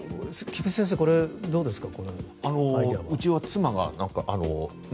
菊地先生、これどうですか？